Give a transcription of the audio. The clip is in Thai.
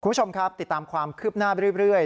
คุณผู้ชมครับติดตามความคืบหน้าไปเรื่อย